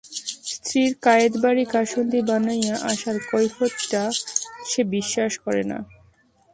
স্ত্রীর কায়েতবাড়ি কাসুন্দি বানাইয়া আসার কৈফিয়তটা সে বিশ্বাস করে না।